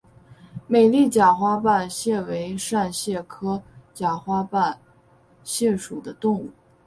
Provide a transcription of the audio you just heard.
美丽假花瓣蟹为扇蟹科假花瓣蟹属的动物。